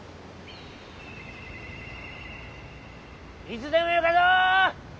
いつでもよかぞ！